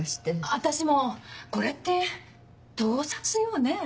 私もこれって盗撮よね？